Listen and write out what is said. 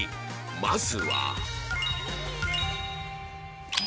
まずは